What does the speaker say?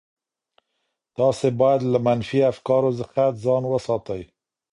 تاسي باید له منفي افکارو څخه ځان وساتئ.